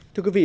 thưa quý vị